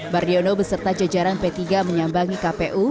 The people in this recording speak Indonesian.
mardiono beserta jajaran p tiga menyambangi kpu